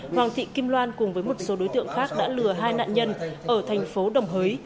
hoàng thị kim loan cùng với một số đối tượng khác đã lừa hai nạn nhân ở thành phố đồng hới